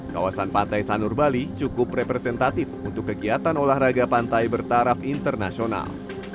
kawasan pantai sanur bali cukup representatif untuk kegiatan olahraga pantai bertaraf internasional